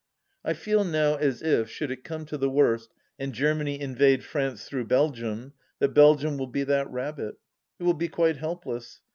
... I feel now as if, should it come to the worst and Germany invade France through Belgium, that Belgium will be that rabbit. It will be quite helpless.